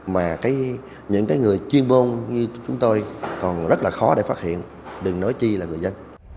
mà những người chuyên môn như chúng tôi còn rất là khó để phát hiện đừng nói chi là người dân